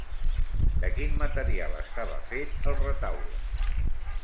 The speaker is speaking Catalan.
De quin material estava fet el retaule?